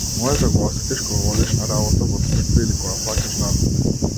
Можеш да го осетиш кога одиш на работа, во црква или кога плаќаш данок.